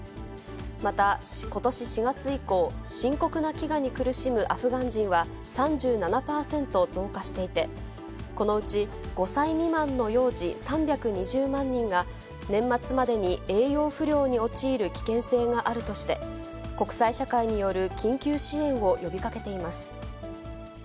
またことし４月以降、深刻な飢餓に苦しむアフガン人は３７％増加していて、このうち５歳未満の幼児３２０万人が、年末までに栄養不良に陥る危険性があるとして、国際社会による緊急支援を呼びかけています。